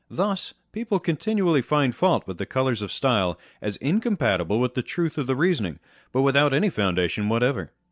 Thus people continually find fault with the colours of style as incompatible with the truth of the reasoning, but without any foundation what ever.